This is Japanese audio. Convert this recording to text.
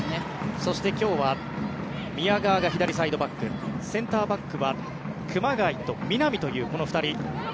そして今日は宮川が左サイドバックセンターバックは熊谷と南という２人。